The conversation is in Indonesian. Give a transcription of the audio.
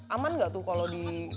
aman gak tuh kalau di